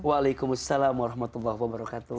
waalaikumsalam warahmatullahi wabarakatuh